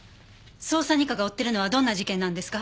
捜査二課が追ってるのはどんな事件なんですか？